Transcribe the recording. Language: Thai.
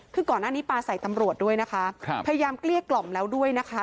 คือก่อนหน้านี้ปลาใส่ตำรวจด้วยนะคะครับพยายามเกลี้ยกล่อมแล้วด้วยนะคะ